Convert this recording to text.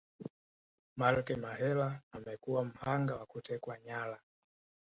Mark Mahela amekuwa mhanga wa kutekwa nyara